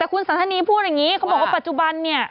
คุณสันทนีพูดอย่างนี้เขาบอกว่าปัจจุบันเนี่ย